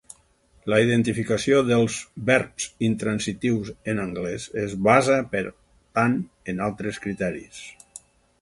La identificació dels verbs intransitius en anglès es basa per tant en altres criteris.